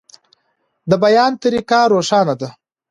د بیان طریقه روښانه ده.